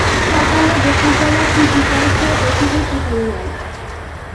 সকালে বকুলতলা খুঁজিতে আসিয়া দেখিবে পুতুল নাই।